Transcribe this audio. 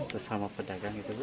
sesama pedagang itu